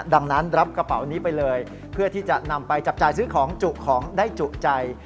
ดังนั้นรับกระเป๋านี้ไปเลยเพื่อที่จะนำไปจับจ่ายซื้อของจุของได้จุใจ